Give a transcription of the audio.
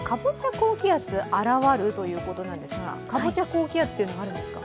高気圧現るということなんですがかぼちゃ高気圧というのがあるんですか？